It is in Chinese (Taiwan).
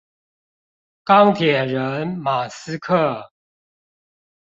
鋼鐵人馬斯克